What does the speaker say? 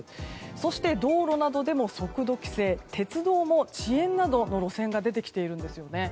そして道路などでも速度規制鉄道も遅延などの路線が出てきているんですよね。